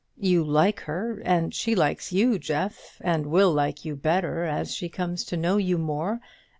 "You like her, and she likes you, Jeff, and will like you better as she comes to know you more.